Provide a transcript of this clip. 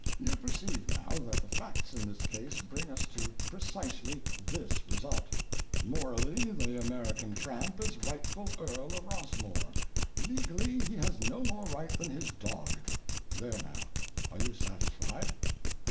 You perceive now, that the facts in this case bring us to precisely this result: morally the American tramp is rightful earl of Rossmore; legally he has no more right than his dog. There now—are you satisfied?"